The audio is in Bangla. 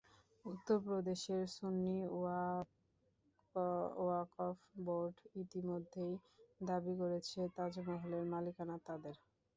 উত্তর প্রদেশের সুন্নি ওয়াক্ফ বোর্ড ইতিমধ্যেই দাবি করেছে, তাজমহলের মালিকানা তাদের।